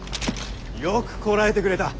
よくこらえてくれた。